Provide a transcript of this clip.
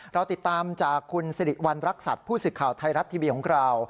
เราติดตามจากคุณสิริวัณรักษัตริย์ผู้สื่อข่าวไทยรัฐทีวีของเรา